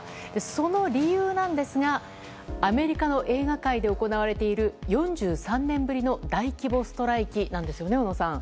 その理由なんですがアメリカの映画界で行われている４３年ぶりの大規模ストライキなんですよね小野さん。